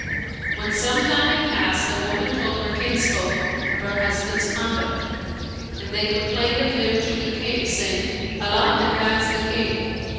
When some time had past, the wife told her kinsfolk of her husband's conduct, and they complained of him to the King, saying, "Allah advance the King!